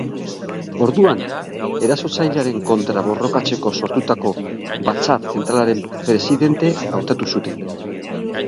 Orduan, erasotzailearen kontra borrokatzeko sortutako Batzar Zentralaren presidente hautatu zuten.